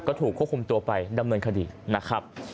ก็ถูกควบคุมตัวไปดำเนินคดีนะครับ